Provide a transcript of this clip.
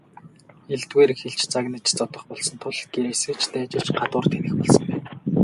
Элдвээр хэлж, загнаж зодох болсон тул гэрээсээ ч дайжиж гадуур тэнэх болсон байна.